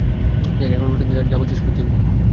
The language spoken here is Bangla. জ্যাক, এখন পর্যন্ত যা বলেছ সবই থিউরী!